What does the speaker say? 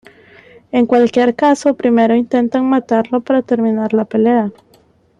En cualquier caso, Primero intenta matarlo para terminar la pelea.